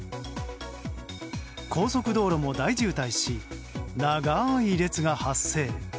高速道路も大渋滞し長い列が発生。